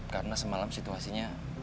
karena semalam situasinya